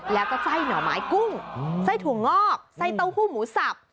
แล้วก็ไส้หนใหม่กุ้งไส้ถั่วงอ้อกไส้เตาต้มผู้หมูสับ